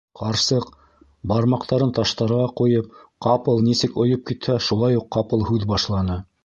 Ҡарсыҡ, бармаҡтарын таштарға ҡуйып, ҡапыл нисек ойоп китһә, шулай уҡ ҡапыл һүҙ башланы: